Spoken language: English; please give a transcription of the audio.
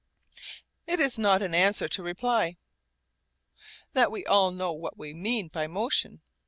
It is not an answer to reply, that we all know what we mean by motion.